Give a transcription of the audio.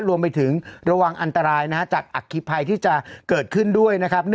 รวมไปถึงระวังอันตรายจากอัคคีภัยที่จะเกิดขึ้นด้วยนะครับ